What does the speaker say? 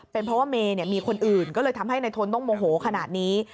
เป็นเพราะว่าเมย์มีคนอื่นก็เลยทำให้นายทนต้องโมโหขนาดนี้